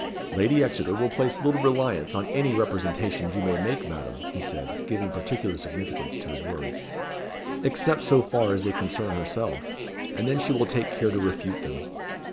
"Lady Exeter will place little reliance on any representations you may make, Madam," he said, giving particular significance to his words, "except so far as they concern herself, and then she will take care to refute them.